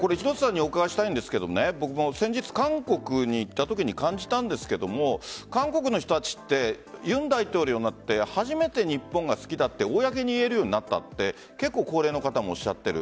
僕も先日、韓国に行ったときに感じたんですが韓国の人たちって尹大統領になって初めて日本が好きだって公に言えるようになったって結構高齢の方もおっしゃっている。